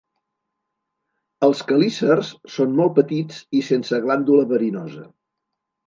Els quelícers són molt petits i sense glàndula verinosa.